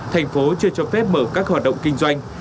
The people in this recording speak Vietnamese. thành phố chưa cho phép mở các hoạt động kinh doanh